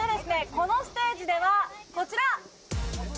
このステージではこちら！